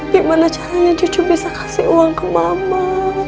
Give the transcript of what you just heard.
gimana caranya cucu bisa kasih uang ke mama